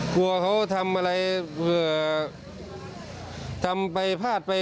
กลัวเขาทำอะไรเผื่อทำไปพลาดไป